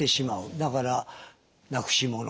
だからなくしもの